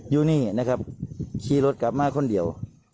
อยู่นี่ซีรถกับมาคนเดียว